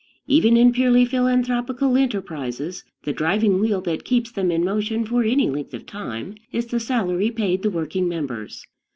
Even in purely philanthropical enterprises the driving wheel that keeps them in motion for any length of time is the salary paid the working members.